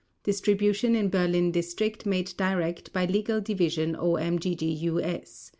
Distribution in Berlin District made direct by Legal Division, OMGGUS.